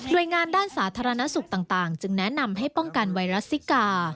โดยงานด้านสาธารณสุขต่างจึงแนะนำให้ป้องกันไวรัสซิกา